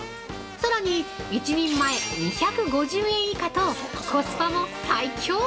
さらに１人前２５０円以下とコスパも最強！